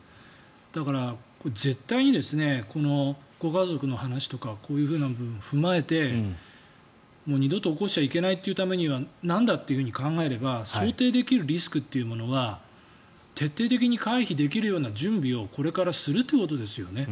だから、絶対にご家族の話とかこういうものを踏まえてもう二度と起こしちゃいけないためにはなんだと考えれば想定できるリスクというものは徹底的に回避できるような準備をこれからするってことですよね。